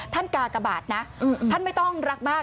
กากบาทนะท่านไม่ต้องรักมาก